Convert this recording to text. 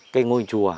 cái ngôi chùa